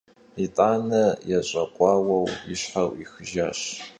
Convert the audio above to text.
ИтӀанэ ещӀэкъуауэу и щхьэр Ӏуихыжащ.